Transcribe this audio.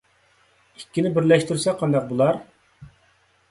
ئىككىنى بىرلەشتۈرسەك قانداق بولار؟